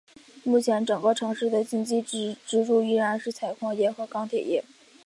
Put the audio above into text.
目前整个城市的经济支柱依然是采矿业和钢铁业。